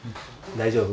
大丈夫。